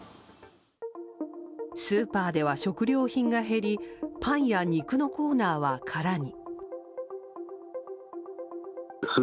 スーパーでは食料品が減りパンや肉のコーナーは空に。